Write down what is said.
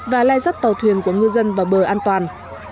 và lai dắt tàu thuyền của ngư dân vào bờ an toàn